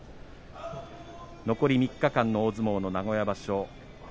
残り３日間の大相撲の名古屋場所。